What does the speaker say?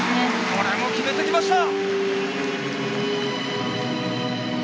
これも決めてきました！